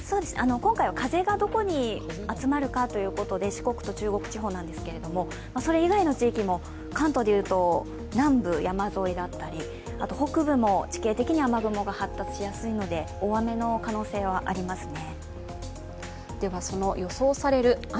今回は風がどこに集まるかということで四国と中国地方なんですがそれ以外の地域も関東でいうと南部、山沿いだったり、あと北部も地形的に雨雲が発達しやすいので大雨の可能性はありますね。